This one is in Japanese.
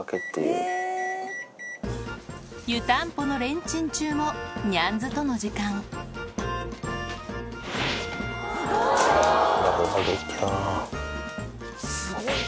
湯たんぽのレンチン中もニャンズとの時間すごいな。